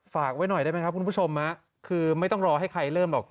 ฝากไว้หน่อยได้ไหมครับคุณผู้ชมคือไม่ต้องรอให้ใครเริ่มหรอก